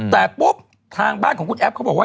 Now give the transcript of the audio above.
แต่ปุ๊บทางบ้านของคุณแอฟเขาบอกว่า